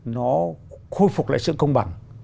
nó khôi phục lại sự công bằng